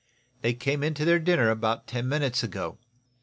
They came into their dinner about ten minutes ago.